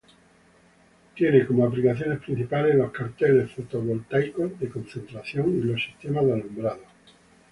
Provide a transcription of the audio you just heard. Tiene como aplicaciones principales los carteles fotovoltaicos de concentración y los sistemas de alumbrado.